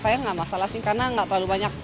saya gak masalah sih karena gak terlalu banyak